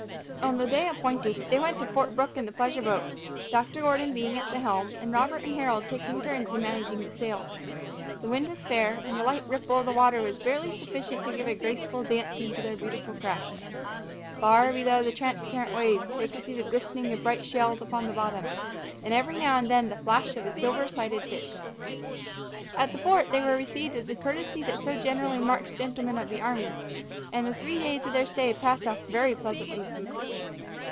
On the day appointed, they went to Fort Brooke in the pleasure boat, Dr. Gordon being at the helm, and Robert and Harold taking turns in managing the sails. The wind was fair, and the light ripple of the water was barely sufficient to give a graceful dancing to their beautiful craft. Far below the transparent waves, they could see the glistening of bright shells upon the bottom, and every now and then the flash of a silver sided fish. At the fort they were received with the courtesy that so generally marks gentlemen of the army; and the three days of their stay passed off very pleasantly.